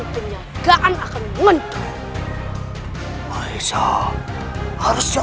baiklah kita tunggu malam semakin lama